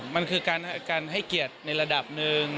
มันคือการให้เกียรติในระดับหนึ่ง